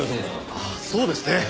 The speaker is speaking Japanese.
ああそうですね。